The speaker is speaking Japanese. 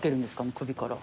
首から。